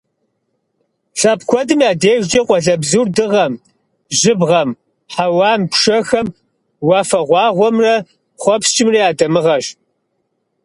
Лъэпкъ куэдым я дежкӀэ къуалэбзур дыгъэм, жьыбгъэм, хьэуам, пшэхэм, уафэгъуагъуэмрэ хъуэпскӀымрэ я дамыгъэщ.